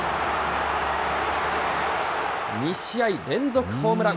２試合連続ホームラン。